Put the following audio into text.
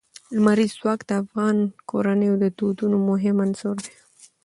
لمریز ځواک د افغان کورنیو د دودونو مهم عنصر دی.